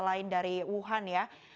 lain dari wuhan ya